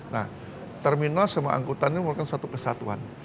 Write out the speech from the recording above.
nah terminal sama angkutan ini merupakan satu kesatuan